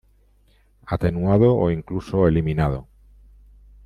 Atenuado o incluso eliminado.